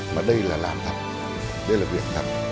mà đây là làm thật đây là việc thật